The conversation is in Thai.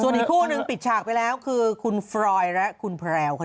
อีกคู่หนึ่งปิดฉากไปแล้วคือคุณฟรอยและคุณแพรวค่ะ